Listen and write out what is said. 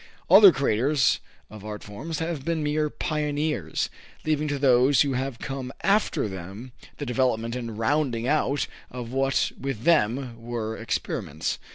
Other creators of art forms have been mere pioneers, leaving to those who have come after them the development and rounding out of what with them were experiments.